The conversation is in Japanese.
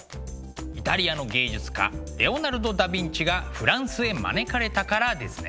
イタリアの芸術家レオナルド・ダ・ヴィンチがフランスへ招かれたからですね。